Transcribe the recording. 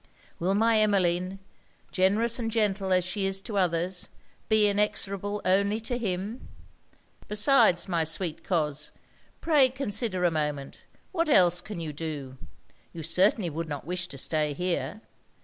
Will my Emmeline, generous and gentle as she is to others, be inexorable only to him? Besides, my sweet coz, pray consider a moment, what else can you do? You certainly would not wish to stay here?